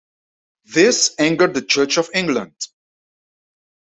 This angered the Church of England.